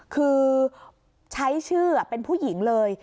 คือใช้ชื่อเป็นผู้หญิงเลย